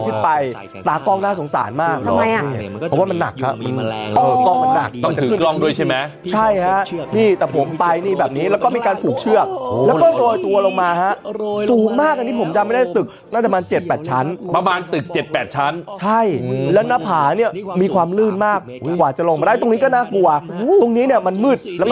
กว่าจะขายเที่ยวทั้งแต่ป็ากดขยายตามจาดอีกด้วยใช่ไหม